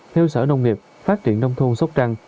theo sở nông nghiệp phát triển đông thu sốc trăng